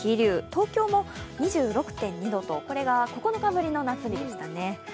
東京も２６．２度と、これが９日ぶりの夏日でした。